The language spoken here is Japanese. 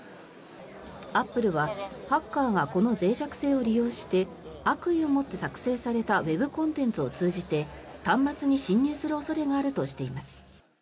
アップルは、ハッカーがこのぜい弱性を利用して悪意をもって作成されたウェブコンテンツを通じて端末に侵入する恐れがあるとしています。